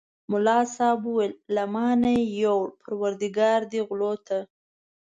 ملا صاحب وویل له ما نه یې یووړ پرودګار دې غلو ته.